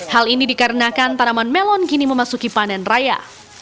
hal ini dikarenakan tanaman melon kini memasuki panen raya